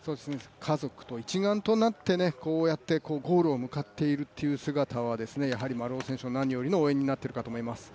家族と一丸となって、こうやってゴールに向かっているという姿はやはり丸尾選手の何よりの応援になっていると思います。